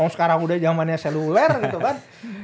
sekarang udah zamannya seluler gitu kan